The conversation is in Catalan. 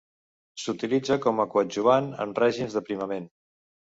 S'utilitza com a coadjuvant en règims d'aprimament.